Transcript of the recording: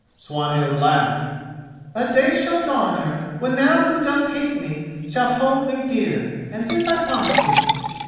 Swanhild laughed. "A day shall dawn, Eric, when thou who dost hate me shalt hold me dear, and this I promise thee.